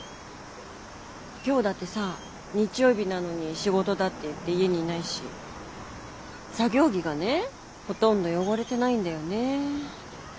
今日だってさ日曜日なのに仕事だって言って家にいないし作業着がねほとんど汚れてないんだよね。